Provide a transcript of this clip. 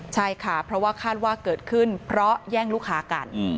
ใช่ค่ะเพราะว่าคาดว่าเกิดขึ้นเพราะแย่งลูกค้ากัน